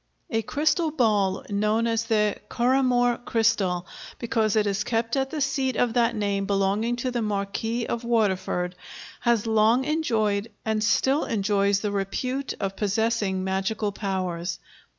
A crystal ball known as the Currahmore Crystal, because it is kept at the seat of that name belonging to the Marquis of Waterford, has long enjoyed and still enjoys the repute of possessing magical powers.